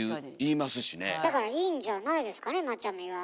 だからいいんじゃないですかねマチャミは。